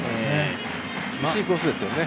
厳しいコースですよね。